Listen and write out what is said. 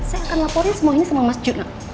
saya akan laporin semua ini sama mas juna